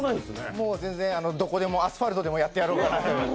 もう全然、どこでも、アスファルトでもやってやろうかなと。